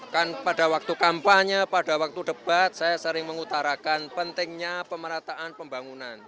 kan pada waktu kampanye pada waktu debat saya sering mengutarakan pentingnya pemerataan pembangunan